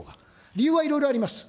理由はいろいろあります。